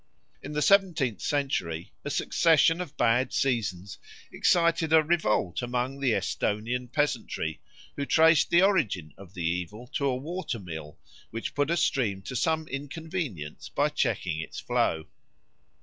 In the seventeenth century a succession of bad seasons excited a revolt among the Esthonian peasantry, who traced the origin of the evil to a watermill, which put a stream to some inconvenience by checking its flow.